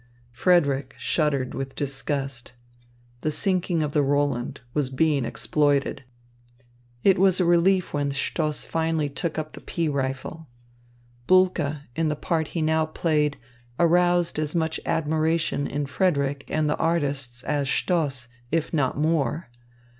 Frederick shuddered with disgust. The sinking of the Roland was being exploited. It was a relief when Stoss finally took up the pea rifle. Bulke in the part he now played aroused as much admiration in Frederick and the artists as Stoss, if not more.